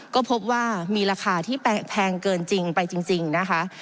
ก็พบว่ามีราคาที่แพงเกินจริงไปจริงนะคะ